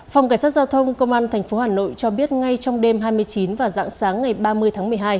phòng cảnh sát giao thông công an tp hà nội cho biết ngay trong đêm hai mươi chín và dạng sáng ngày ba mươi tháng một mươi hai